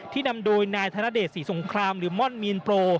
นำโดยนายธนเดชศรีสงครามหรือม่อนมีนโปร